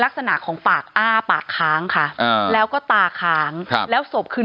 ลักษณะของปากอ้าปากค้างค่ะอ่าแล้วก็ตาค้างครับแล้วศพคือ